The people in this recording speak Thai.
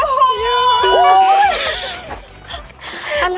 อุ้ยโอ้โห